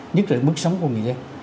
nhất định mức sống của người dân